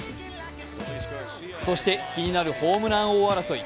そして気になるホームラン王争い。